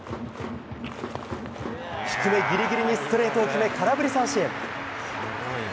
低めギリギリにストレートを決め空振り三振。